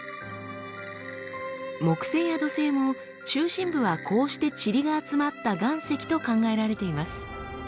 木星や土星も中心部はこうしてチリが集まった岩石と考えられています。